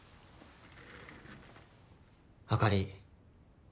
あかり。